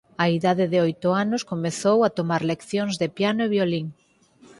Á idade de oito anos comezou a tomar leccións de piano e violín.